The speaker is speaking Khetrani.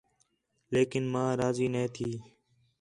لیکن ماں راضی نَے تھی